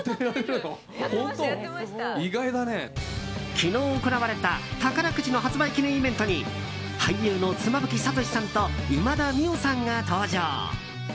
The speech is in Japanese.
昨日行われた宝くじの発売記念イベントに俳優の妻夫木聡さんと今田美桜さんが登場。